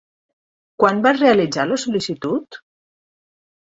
Quan vas realitzar la sol·licitud?